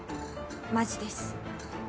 マジです」